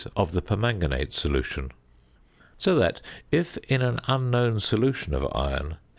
of the permanganate solution. So that if in an unknown solution of iron, 50.